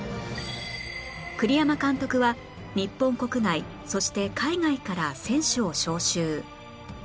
栗山監督は日本国内そして海外から選手を招集